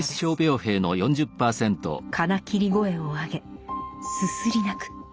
金切り声を上げすすり泣く。